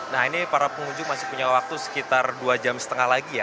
nah ini para pengunjung masih punya waktu sekitar dua jam setengah lagi ya